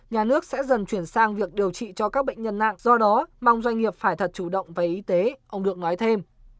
nhà nước sẽ dần chuyển sang việc điều trị cho các bệnh nhân nặng do đó mong doanh nghiệp phải thật chủ động về y tế ông được nói thêm